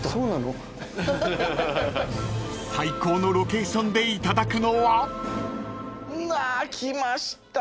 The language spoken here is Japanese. ［最高のロケーションでいただくのは？］来ました。